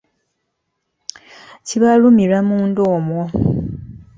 Kibalumira munda omwo